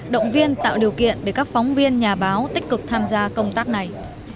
động viên tạo điều kiện để các phóng viên nhà báo tích cực tham gia công tác này